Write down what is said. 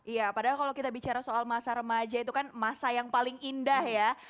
iya padahal kalau kita bicara soal masa remaja itu kan masa yang paling indah ya